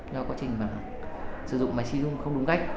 do quá trình sử dụng máy khí dung không đúng cách